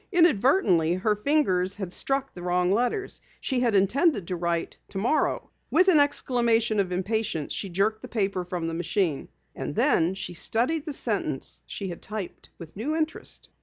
Inadvertently, her fingers had struck the wrong letters. She had intended to write "tomorrow." With an exclamation of impatience she jerked the paper from the machine. And then she studied the sentence she had typed with new interest.